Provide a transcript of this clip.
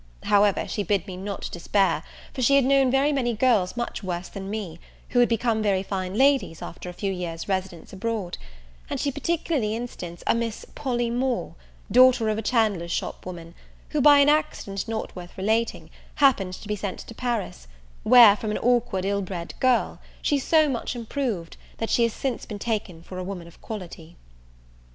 However, she bid me not despair, for she had known many girls much worse than me, who had become very fine ladies after a few years residence abroad; and she particularly instanced a Miss Polly Moore, daughter of a chandler's shop woman, who, by an accident not worth relating, happened to be sent to Paris, where, from an awkward ill bred girl, she so much improved, that she has since been taken for a woman of quality.